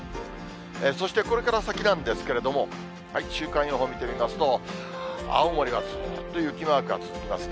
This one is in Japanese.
そして、これから先なんですけれども、週間予報見てみますと、青森はずっと雪マークが続きますね。